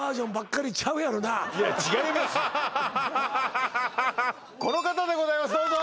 フハハハハこの方でございますどうぞ！